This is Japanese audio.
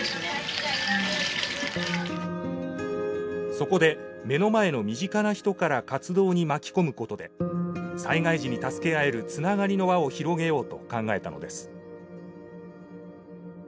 そこで目の前の身近な人から活動に巻きこむことで災害時に助け合えるつながりの輪を広げようと考えたのです。